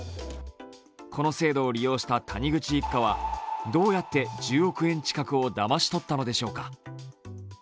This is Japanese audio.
この制度を利用した谷口一家はどうやって１０億円近くをだまし取ったのでしょうか。